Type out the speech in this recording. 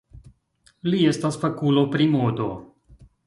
Li estas fakulo pri modo.